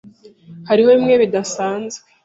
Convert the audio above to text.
Hariho bimwe bidasanzwe.